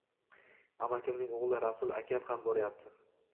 Amakimning o`g`li Rasul akam ham boryapti